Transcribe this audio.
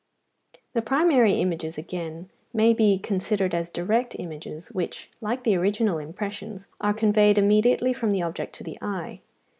The primary images, again, may be considered as direct images, which, like the original impressions, are conveyed immediately from the object to the eye.